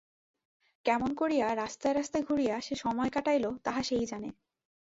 কেমন করিয়া রাস্তায় রাস্তায় ঘুরিয়া সে সময় কাটাইল তাহা সেই জানে।